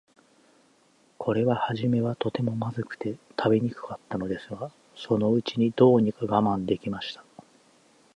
これははじめは、とても、まずくて食べにくかったのですが、そのうちに、どうにか我慢できました。